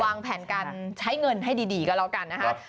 วางแผนการใช้เงินให้ดีก็แล้วกันนะคะ